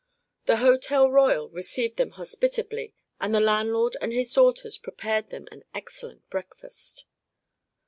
The Hotel Royal received them hospitably and the landlord and his daughters prepared them an excellent breakfast.